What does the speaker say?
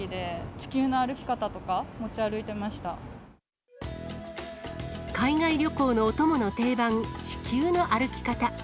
地球の歩き方とか、持ち歩いてま海外旅行のお供の定番、地球の歩き方。